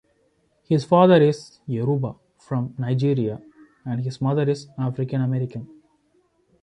His father is Yoruba from Nigeria, and his mother is African-American.